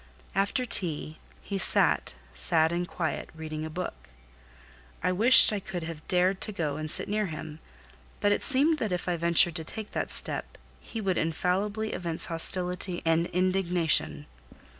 After tea, he sat, sad and quiet, reading a book. I wished I could have dared to go and sit near him, but it seemed that if I ventured to take that step, he would infallibly evince hostility and indignation.